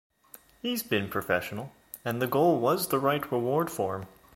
He's been professional and the goal was the right reward for him.